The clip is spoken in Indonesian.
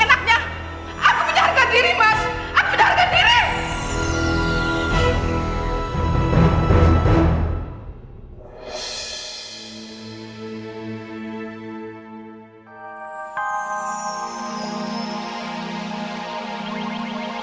aku pedar ke diri mas aku pedar ke diri